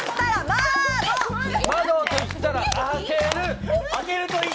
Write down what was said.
窓と言ったら開ける。